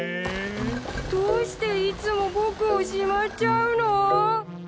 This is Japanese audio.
どうしていつも僕をしまっちゃうの？